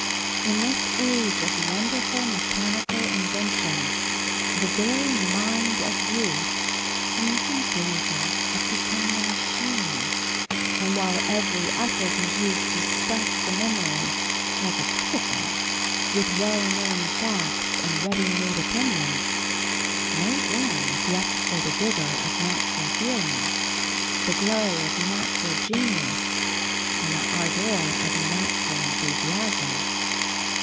In this age of wonderful mechanical inventions, the very mind of youth seems in danger of becoming a machine; and while every effort is used to stuff the memory, like a cricket ball, with well known facts and ready made opinions, no room is left for the vigour of natural feeling, the glow of natural genius, and the ardour of natural enthusiasm.